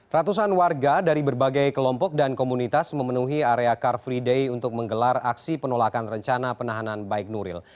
ratusan warga dari berbagai kelompok dan komunitas memenuhi area car free day untuk menggelar aksi penolakan rencana penahanan baik nuril